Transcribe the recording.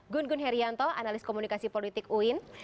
gun gun herianto analis komunikasi politik uin